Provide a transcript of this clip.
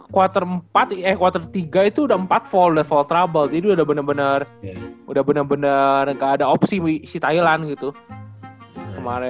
tiga puluh dua quarter empat eh quarter tiga itu udah empat fold udah fold trouble jadi udah bener bener udah bener bener gak ada opsi si thailand gitu kemarin